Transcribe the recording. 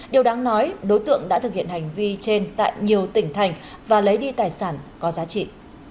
điều đáng nói đối tượng đã thực hiện hành vi trên tại nhiều tỉnh thành và lấy đi tài sản có giá trị